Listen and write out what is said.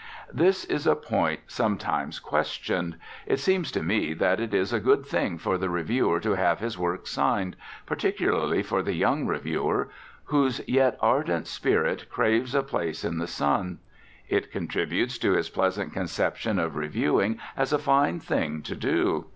This is a point sometimes questioned. It seems to me that it is a good thing for the reviewer to have his work signed, particularly for the young reviewer, whose yet ardent spirit craves a place in the sun. It contributes to his pleasant conception of reviewing as a fine thing to do.